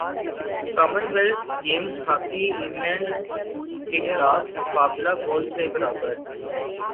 common wealth games hockey England کیخلاف مقابلہ goals سے برابر